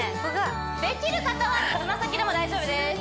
できる方は爪先でも大丈夫です